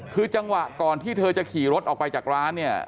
คือจังหวะก่อนที่เธอจะขี่รถออกไปจากร้านเนี่ย